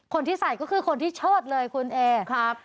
คนที่ใส่ก็คือคนที่เชิดเลยคุณเอครับ